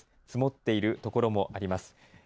積もっている所もあります。